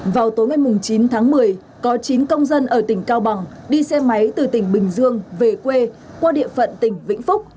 vào tối ngày chín tháng một mươi có chín công dân ở tỉnh cao bằng đi xe máy từ tỉnh bình dương về quê qua địa phận tỉnh vĩnh phúc